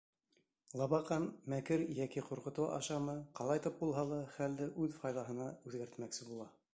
Лабаҡан, мәкер йәки ҡурҡытыу ашамы, ҡалайтып булһа ла хәлде үҙ файҙаһына үҙгәртмәксе була.